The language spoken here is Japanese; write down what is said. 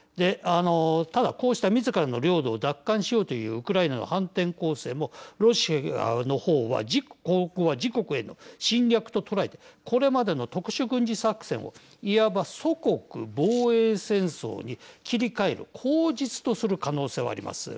ただ、こうしたみずからの領土を奪還しようというウクライナの反転攻勢もロシアの方は自国への侵略と捉えてこれまでの特殊軍事作戦をいわば祖国防衛戦争に切り替える口実とする可能性はあります。